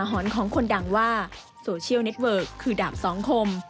หอนของคนดังว่าโซเชียลเน็ตเวิร์กคือดาบสองคม